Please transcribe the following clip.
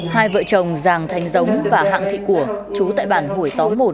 hai vợ chồng giàng thanh dống và hạng thị của chú tại bản hủy tóng một